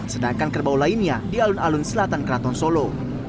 sedangkan kerbau lainnya di alun alun selatan keraton solo